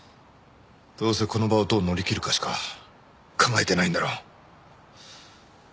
どうせこの場をどう乗りきるかしか考えてないんだろ。